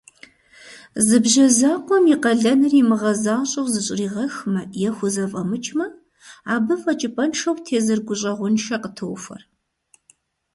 Зы бжьэ закъуэм и къалэныр имыгъэзащӀэу зыщӀригъэхмэ е хузэфӀэмыкӀмэ, абы фӀэкӀыпӀэншэу тезыр гущӀэгъуншэ къытохуэр.